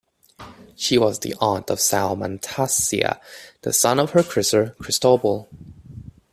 She was the aunt of Salmaan Taseer, the son of her sister Christobel.